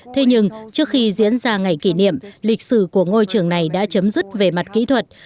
thế nhưng trước khi diễn ra ngày kỷ niệm lịch sử của ngôi trường này đã chấm dứt về mặt kỹ thuật